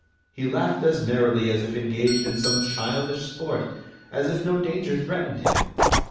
He laughed as merrily as if engaged in some childish sport, as if no danger threatened him.